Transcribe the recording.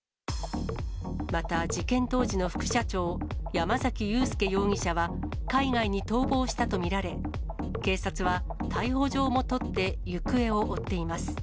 また事件当時の副社長、山崎裕輔容疑者は海外に逃亡したと見られ、警察は逮捕状も取って行方を追っています。